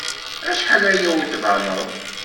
Acḥal aya ur d-tbaned.